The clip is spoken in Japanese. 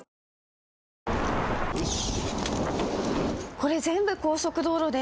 これ全部高速道路で。